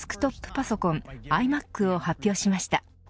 パソコンｉＭａｃを発表しました。